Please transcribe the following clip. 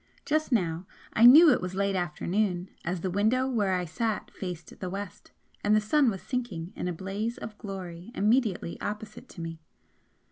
Just now I knew it was late afternoon, as the window where I sat faced the west, and the sun was sinking in a blaze of glory immediately opposite to me.